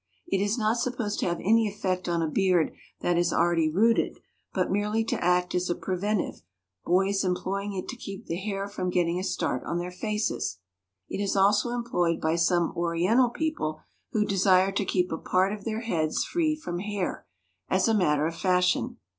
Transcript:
It is not supposed to have any effect on a beard that is already rooted, but merely to act as a preventive, boys employing it to keep the hair from getting a start on their faces. It is also employed by some Oriental people who desire to keep a part of their heads free from hair, as a matter of fashion.